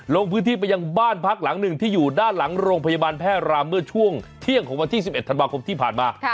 ลงพื้นที่ไปยังบ้านพักหลังหนึ่งที่อยู่ด้านหลังโรงพยาบาลแพร่รามเมื่อช่วงเที่ยงของวันที่๑๑ธันวาคมที่ผ่านมา